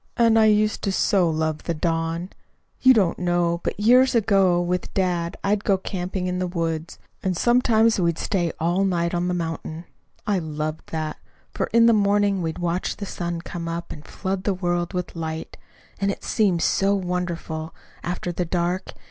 And I used to so love the dawn! You don't know, but years ago, with dad, I'd go camping in the woods, and sometimes we'd stay all night on the mountain. I loved that, for in the morning we'd watch the sun come up and flood the world with light. And it seemed so wonderful, after the dark!